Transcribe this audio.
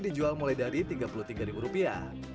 dijual mulai dari tiga puluh tiga ribu rupiah